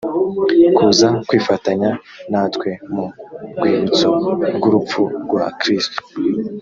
kuza kwifatanya natwe mu rwibutso rw urupfu rwa kristo